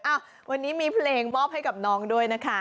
อ่ะวันนี้มีเพลงมอบให้กับน้องด้วยนะคะ